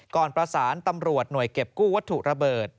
ก่อนประสานตำรวจหน่วยเก็บกู้วัตถุระเบิด